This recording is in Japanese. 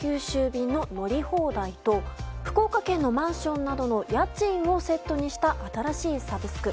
便の乗り放題と福岡県のマンションなどの家賃をセットにした新しいサブスク。